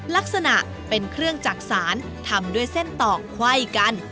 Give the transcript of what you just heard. ลักษณะเป็นเครื่องจักษานทำด้วยเส้นตอกไขว้กัน